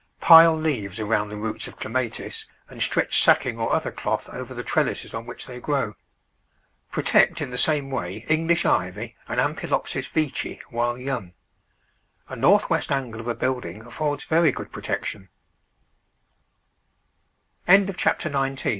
Pile leaves around the roots of Clematis, and stretch sacking or other cloth over the trellises on which they grow. Protect in the same way English Ivy and Ampelopsis Veitchi while young. A northwest angle of a building affords